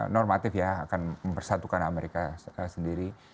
normatif ya akan mempersatukan amerika sendiri